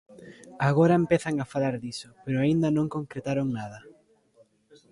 Agora empezan a falar diso, pero aínda non concretaron nada.